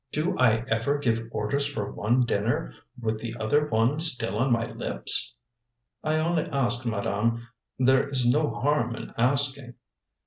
"Do I ever give orders for one dinner, with the other one still on my lips?" "I only asked madame; there is no harm in asking."